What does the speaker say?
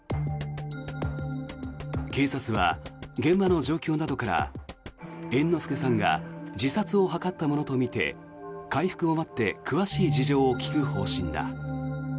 警察は現場の状況などから猿之助さんが自殺を図ったものとみて回復を待って詳しい事情を聴く方針だ。